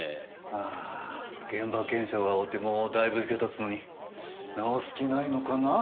ああ現場検証が終わってもうだいぶ日が経つのに直す気ないのかな？